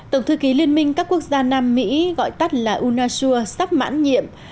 tổng thư ký liên minh các quốc gia nam mỹ gọi tắt là unessua sắp mãn nhiệm